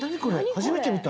初めて見た。